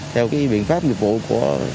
theo biện pháp nhiệm vụ của